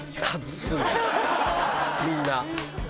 みんな。